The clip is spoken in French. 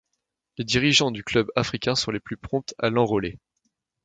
Les dirigeants du Club africain sont les plus prompts à l'enrôler.